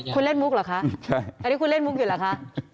คุณเล่นมุกเหรอคะอันนี้คุณเล่นมุกอยู่เหรอคะ